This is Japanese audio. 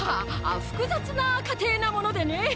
複雑な家庭なものでね！